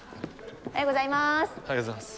おはようございます。